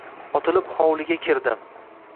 Otilib hovliga kirdim.